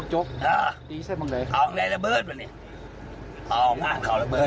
นี่แมงระเบิดป่ะเนี่ย